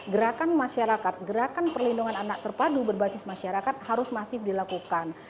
gerakan masyarakat gerakan perlindungan anak terpadu berbasis masyarakat harus masif dilakukan